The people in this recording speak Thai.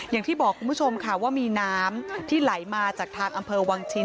อย่างที่บอกคุณผู้ชมค่ะว่ามีน้ำที่ไหลมาจากทางอำเภอวังชิ้น